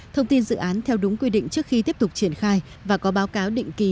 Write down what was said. thông tin dự án theo đúng quy định trước khi tiếp tục triển khai và có báo cáo định kỳ